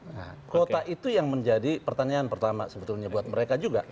nah kuota itu yang menjadi pertanyaan pertama sebetulnya buat mereka juga